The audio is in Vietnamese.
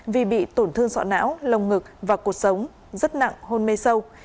vì bị tổn thương sọ não lồng ngực và cuộc sống rất nặng hôn mê sâu